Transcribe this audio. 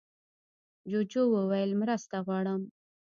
جوجو وویل مرسته غواړم.